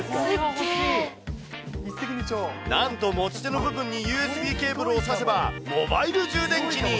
なんと持ち手の部分にＵＳＢケーブルを差せば、モバイル充電器に。